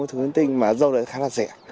các thứ linh tinh mà dâu đấy khá là rẻ